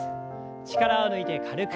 力を抜いて軽く。